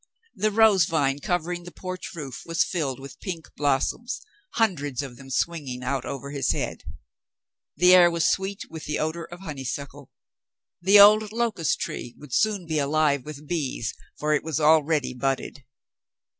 The rose vine covering the porch roof was filled with pink blossoms, hundreds of them swinging out over his head. The air was sweet with the odor of honeysuckle. The old locust tree would soon be alive with bees, for it was already budded.